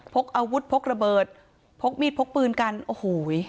พกอาวุธพกระเบิดพกมีดพกปืนกันโอ้โห